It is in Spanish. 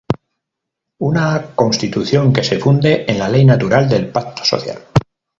Una constitución que se funde en la ley natural del pacto social.